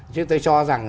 chứ tôi cho rằng